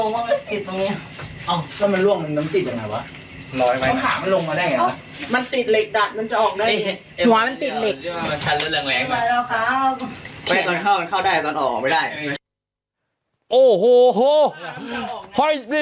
ก็ได้ตอนเข้ามันเข้าได้ตอนออกออกไม่ได้